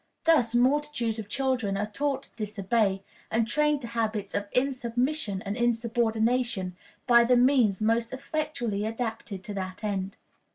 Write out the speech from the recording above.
Thus multitudes of children are taught to disobey, and trained to habits of insubmission and insubordination, by the means most effectually adapted to that end.